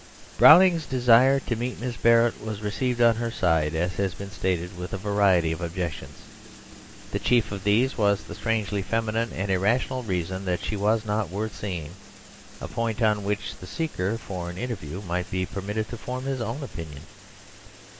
Browning's desire to meet Miss Barrett was received on her side, as has been stated, with a variety of objections. The chief of these was the strangely feminine and irrational reason that she was not worth seeing, a point on which the seeker for an interview might be permitted to form his own opinion.